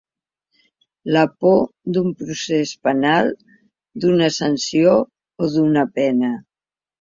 La por d’un procés penal, d’una sanció o d’una pena.